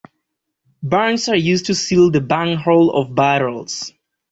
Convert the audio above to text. Bungs are used to seal the bunghole of barrels.